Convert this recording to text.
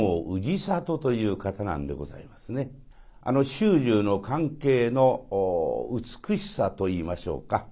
主従の関係の美しさといいましょうか。